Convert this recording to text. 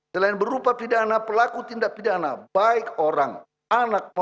selain berupa pidana pelaku tindak pidana baik orang anak perempuan